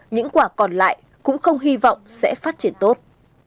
những quả còn lại cũng không hy vọng sẽ phát triển tốt